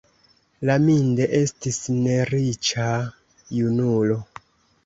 Laminde estis neriĉa junulo.